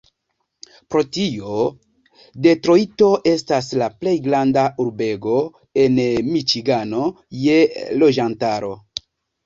Pro tio, Detrojto estas la plej granda urbego en Miĉigano je loĝantaro.